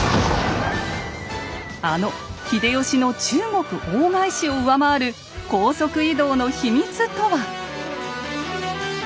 あの秀吉の中国大返しを上回る高速移動の秘密とは？